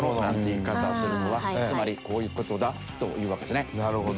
言い方をするのはつまりこういう事だというわけですね。